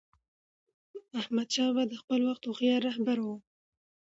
احمدشاه بابا د خپل وخت هوښیار رهبر و.